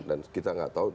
dan kita tidak tahu